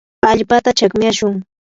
allpata chakmyashun.